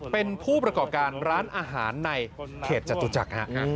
เป็นผู้ประกอบการร้านอาหารในเขตจตุจักร